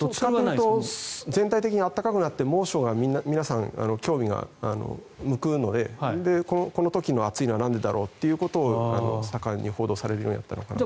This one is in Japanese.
全体的に暖かくなって皆さん、猛暑に興味が向くのでこの時の暑いのはなんでだろうということを盛んに報道されるようになったのかなと。